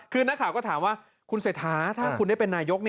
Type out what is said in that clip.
คือนักข่าวก็ถามว่าคุณเศรษฐาถ้าคุณได้เป็นนายก